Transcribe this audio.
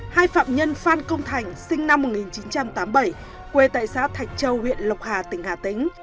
hai phạm nhân phan công thành sinh năm một nghìn chín trăm tám mươi bảy